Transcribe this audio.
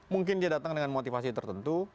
mungkin dia datang dengan motivasi tertentu